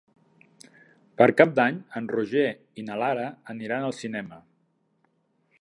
Per Cap d'Any en Roger i na Lara aniran al cinema.